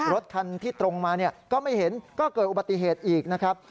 รถคันที่ตรงมาก็ไม่เห็นก็เกิดอุบัติเหตุอีกนะครับ